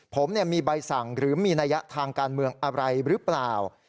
ผมมีใบสั่งหรือมีนัยยะทางการเมืองอะไรหรือเปล่า